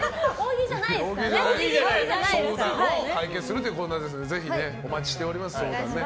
相談を解決するコーナーですのでぜひお待ちしております。